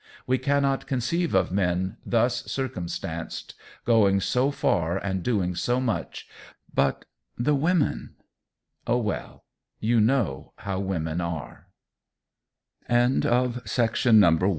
We cannot conceive of men, thus circumstanced, going so far and doing so much. But the women Oh, well, you know how women are! "ISN'T THAT JUST LIKE A MAN!"